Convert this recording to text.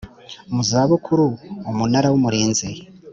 mu za bukuru Umunara w Umurinzi